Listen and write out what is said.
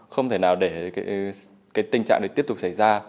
không thể nào để tình trạng này tiếp tục xảy ra